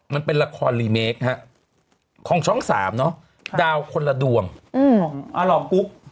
มันเป็นละครรีเมคของช่อง๓เนอะดาวคนละดวงกุ๊ก